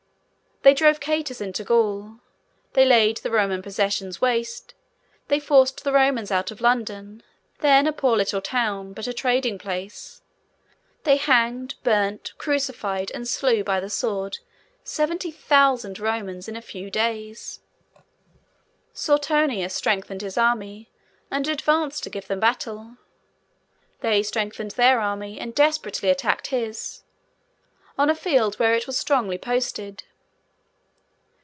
They drove Catus into Gaul; they laid the Roman possessions waste; they forced the Romans out of London, then a poor little town, but a trading place; they hanged, burnt, crucified, and slew by the sword, seventy thousand Romans in a few days. Suetonius strengthened his army, and advanced to give them battle. They strengthened their army, and desperately attacked his, on the field where it was strongly posted.